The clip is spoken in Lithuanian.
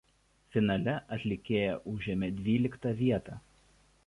Finale atlikėja užėmė dvyliktą vietą.